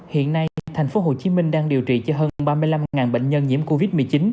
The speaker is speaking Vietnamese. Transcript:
hiện nay tp hcm đang điều trị cho hơn ba mươi năm bệnh nhân nhiễm covid một mươi chín